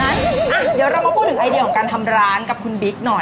เดี๋ยวเรามาพูดถึงไอเดียของการทำร้านกับคุณบิ๊กหน่อย